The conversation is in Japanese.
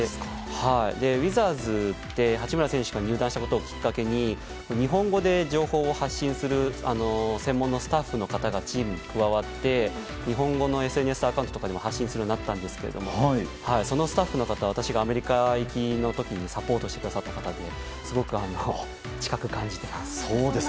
ウィザーズって、八村選手が入団したことをきっかけに日本語で情報を発信する専門のスタッフの方がチームに加わって日本語のＳＮＳアカウントとかでも発信するようになったんですがそのスタッフの方は私がアメリカ行きの時にサポートしてくださった方ですごく近く感じています。